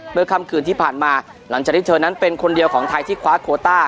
ค่ำคืนที่ผ่านมาหลังจากที่เธอนั้นเป็นคนเดียวของไทยที่คว้าโคต้า